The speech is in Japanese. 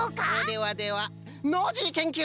ではではノージーけんきゅういん！